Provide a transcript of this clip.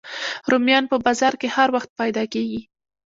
رومیان په بازار کې هر وخت پیدا کېږي